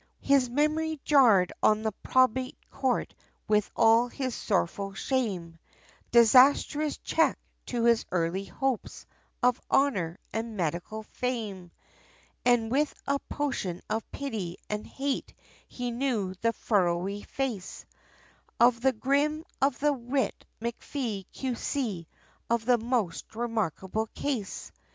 His memory jarred on the Probate Court, with all its sorrowful shame, Disastrous check, to his early hopes, of honor, and medical fame, And with a potion of pity, and hate, he knew the furrowy face Of the grim, of the Writ MacFee, Q.C., of the most remarkable case.